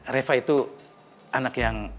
reva itu anak yang